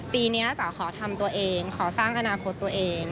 ปีนี้จ๋าขอทำตัวเองขอสร้างอนาคตตัวเอง